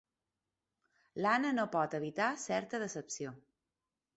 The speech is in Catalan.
L'Anna no pot evitar certa decepció.